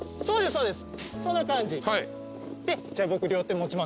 そうです。